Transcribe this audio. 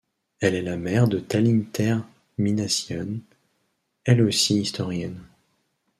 Elle est la mère de Taline Ter Minassian, elle aussi historienne.